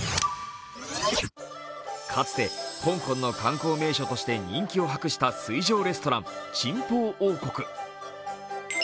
かつて香港の観光名所として人気を博した水上レストラン・珍宝王国。